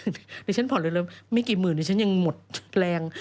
เดี๋ยวฉันผ่อนเร็วไม่กี่หมื่นดิฉันยังหมดแรง